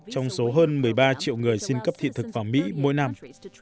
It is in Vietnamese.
trong số hơn một mươi ba triệu người xin cấp thị thực vào mỹ mỗi năm